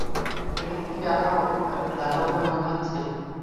এটাকে কি আরো একটা ধাঁধা বলে মনে হচ্ছে?